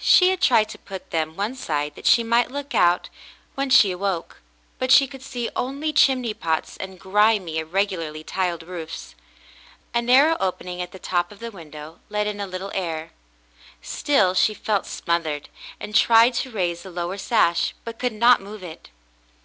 She had tried to put them one side that she might look out when she awoke, but she could see only chimney pots and grimy, irregularly tiled roofs. A narrow opening at the top of the window let in a little air ; still she felt smothered, and tried to raise the lower sash, but could not move it.